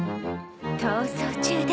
逃走中で